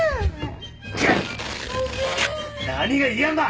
何が「いやん」だ！